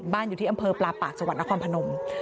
บ้านอยู่ที่อำเภอปลาปากสวรรค์นครพนม